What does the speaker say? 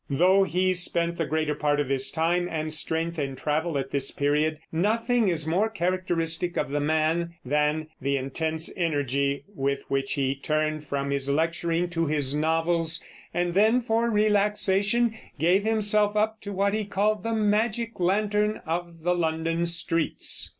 Though he spent the greater part of his time and strength in travel at this period, nothing is more characteristic of the man than the intense energy with which he turned from his lecturing to his novels, and then, for relaxation, gave himself up to what he called the magic lantern of the London streets.